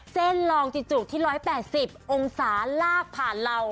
ลองจิจุที่๑๘๐องศาลากผ่านเหล่า